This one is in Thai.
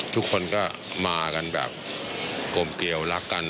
ทุกคนก็มากันแบบกลมเกลียวรักกัน